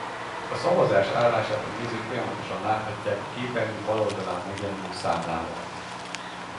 A szavazás állását a nézők folyamatosan láthatják a képernyő bal oldalán megjelenő számlálón.